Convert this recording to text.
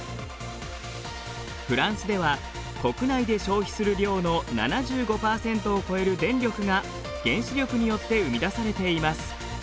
フランスでは国内で消費する量の７５％を超える電力が原子力によって生み出されています。